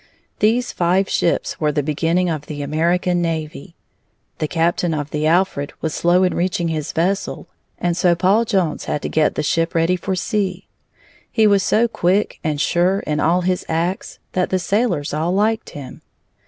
These five ships were the beginning of the American navy. The captain of the Alfred was slow in reaching his vessel, and so Paul Jones had to get the ship ready for sea. He was so quick and sure in all his acts that the sailors all liked him.